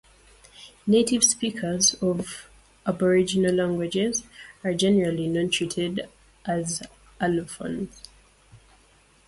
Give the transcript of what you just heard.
Native speakers of aboriginal languages are generally not treated as allophones.